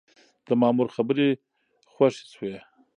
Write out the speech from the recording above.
د مامور خبرې خوښې شوې.